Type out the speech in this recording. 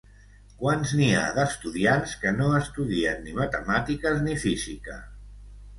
Quants n'hi ha d'estudiants que no estudien ni matemàtiques ni física?